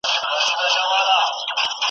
چي د استاد له خولې څخه